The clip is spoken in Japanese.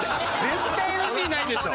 絶対ＮＧないでしょ。